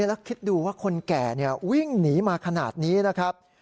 แล้วคิดดูว่าคนแก่วิ่งหนีมาขนาดนี้นะครับ